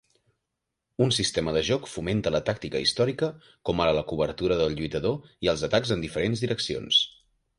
Un sistema de joc fomenta la tàctica històrica com ara la cobertura del lluitador i els atacs en diferents direccions.